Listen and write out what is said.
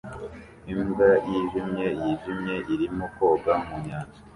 Imbwa yijimye yijimye irimo koga mu nyanja